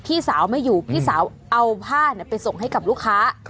พี่สาวไม่อยู่พี่สาวเอาผ้าไปส่งให้กับลูกค้า